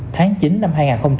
tháng chín năm hai nghìn hai mươi